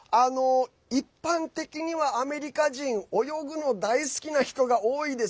一般的にはアメリカ人泳ぐの大好きな人が多いです。